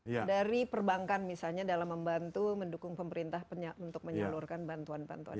jadi perbankan misalnya dalam membantu mendukung pemerintah untuk menyalurkan bantuan bantuan ini